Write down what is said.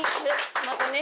またね